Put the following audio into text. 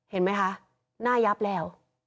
เห็นไหมคะหน้ายับแล้ว